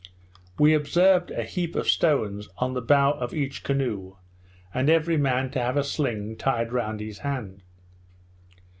We observed a heap of stones on the bow of each canoe, and every man to have a sling tied round his hand.